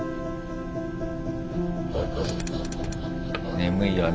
眠いよな。